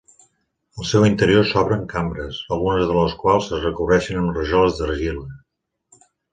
El seu interior s'obren cambres, algunes de les quals es recobreixen amb rajoles d'argila.